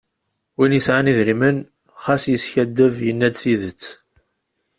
Win yesɛan idrimen. ɣas yeskadeb. yenna-d tidet.